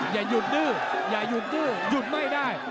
อย่าหยุดดื้อหยุดไม่ได้